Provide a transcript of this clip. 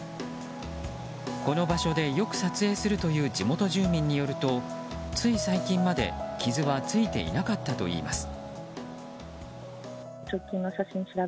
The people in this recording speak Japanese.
この場所でよく撮影するという地元住民によるとつい最近まで傷はついていなかったといいます。